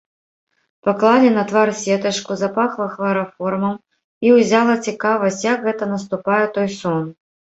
Паклалі на твар сетачку, запахла хлараформам, і ўзяла цікавасць, як гэта наступае той сон.